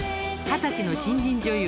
二十歳の新人女優